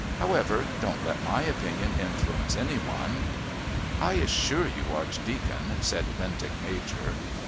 However, don't let my opinion influence any one." "I assure you, Archdeacon," said Bentinck Major.